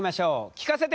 聞かせて！